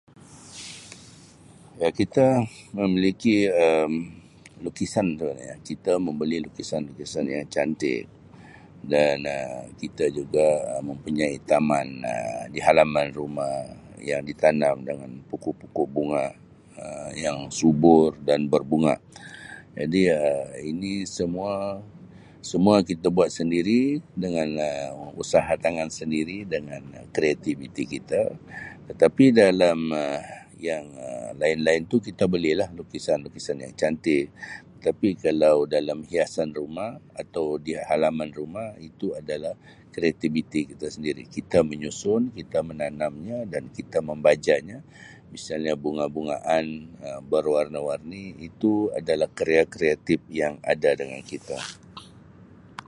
Ya kita memiliki Um lukisan tu ya kita membeli lukisan-lukisan yang cantik dan Um kita juga mempunyai taman Um di halaman rumah yang ditanam dengan pokok-pokok bunga Um yang subur dan berbunga jadi Um ini semua semua kita buat sendiri dengan Um usaha tangan sendiri dengan kreativiti kita tetapi dalam Um yang Um lain-lain tu kita beli lah lukisan-lukisan yang cantik tapi kalau dalam hiasan rumah atau di halaman rumah itu adalah kreativiti kita sendiri kita menyusun kita menanamnya dan kita membajanya misalnya bunga bungaan Um berwarna warni itu adalah karya kreatif yang ada dengan kita.